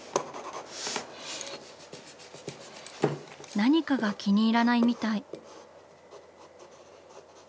何かが気に入らないみたい。